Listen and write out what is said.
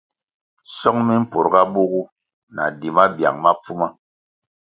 Song mi mpurga bugu na di mabiang ma pfuma.